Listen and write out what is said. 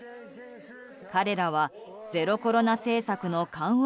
彼らはゼロコロナ政策の緩和